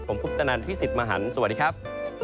ผมคุปตนันพี่สิทธิ์มหันฯสวัสดีครับ